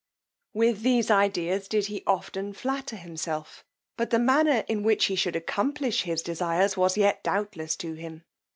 With these ideas did he often flatter himself; but the manner in which he should accomplish his desires was yet doubtless to him.